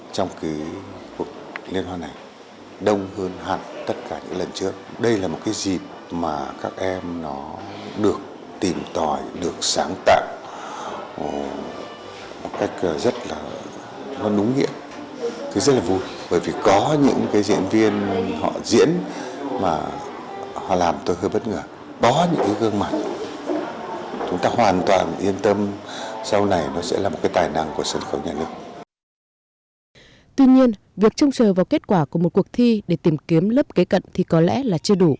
tuy nhiên việc trung trời vào kết quả của một cuộc thi để tìm kiếm lớp kế cận thì có lẽ là chưa đủ